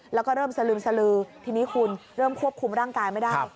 แล้วก็เริ่มสลึมสลือทีนี้คุณเริ่มควบคุมร่างกายไม่ได้